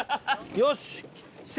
よし。